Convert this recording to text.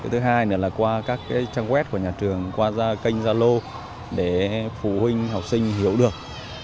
thứ hai nữa là qua các trang web của nhà trường qua kênh zalo để phụ huynh học sinh hiểu được